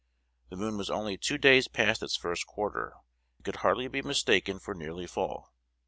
"The moon was only two days past its first quarter, and could hardly be mistaken for 'nearly full.'"